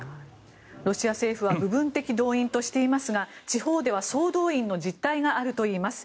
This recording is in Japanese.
ロシア政府は部分的動員としていますが地方では総動員の実態があるといいます。